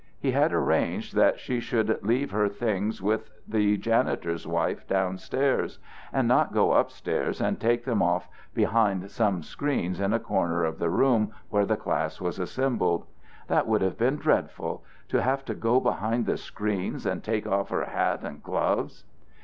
He had arranged that she should leave her things with the janitor's wife down stairs, and not go up stairs and take them off behind some screens in a corner of the room where the class was assembled. That would have been dreadful, to have to go behind the screens to take off her hat and gloves.